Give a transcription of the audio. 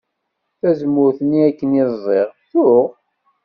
Tazemmurt-nni akken i ẓẓiɣ tuɣ.